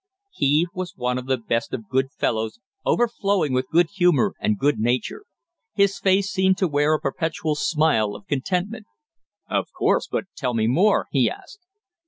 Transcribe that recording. He was one of the best of good fellows, overflowing with good humour and good nature. His face seemed to wear a perpetual smile of contentment. "Of course. But tell me more," he asked.